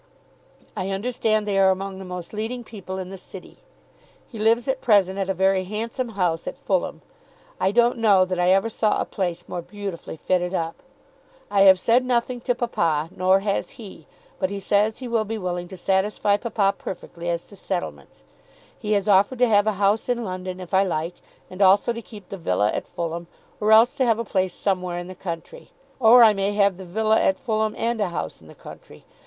I understand they are among the most leading people in the City. He lives at present at a very handsome house at Fulham. I don't know that I ever saw a place more beautifully fitted up. I have said nothing to papa, nor has he; but he says he will be willing to satisfy papa perfectly as to settlements. He has offered to have a house in London if I like, and also to keep the villa at Fulham or else to have a place somewhere in the country. Or I may have the villa at Fulham and a house in the country.